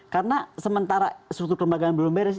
karena sementara struktur kelembagaan belum beres